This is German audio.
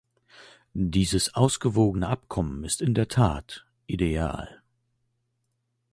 Dieses ausgewogene Abkommen ist in der Tat ideal.